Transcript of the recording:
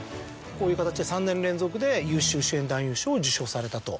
こういう形で３年連続で優秀主演男優賞を受賞されたと。